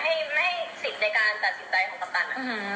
แต่ไม่ได้สินในการตัดสินใจของกัปตัน